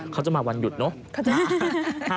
เขาจะมาวันหยุดเนอะ